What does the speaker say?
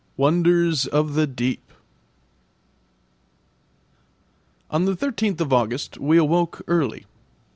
WONDERS OF THE DEEP On the 13th of August we awoke early.